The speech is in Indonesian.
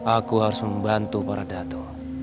aku harus membantu para dato